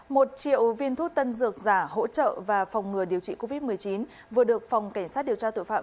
một triệu viên thuốc tân dược giả hỗ trợ và phòng ngừa điều trị covid một mươi chín vừa được phòng cảnh sát điều tra tội phạm